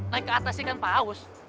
naik ke atas ikan paus